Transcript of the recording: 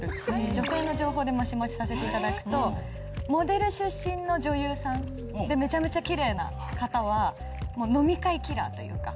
女性の情報でマシマシさせていただくとモデル出身の女優さんでめちゃめちゃキレイな方は飲み会キラーというか。